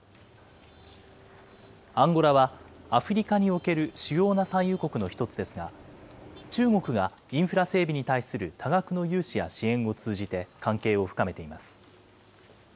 アンゴラは、アフリカにおける主要な産油国の１つですが、中国がインフラ整備に対する多額の融資や支援を通じて関係を深めています。